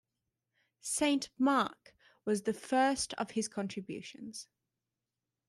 "Saint Mark" was the first of his contributions.